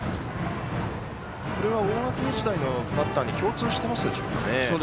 これは大垣日大のバッターに共通しているでしょうか。